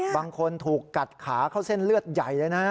บางคนถูกกัดขาเข้าเส้นเลือดใหญ่เลยนะ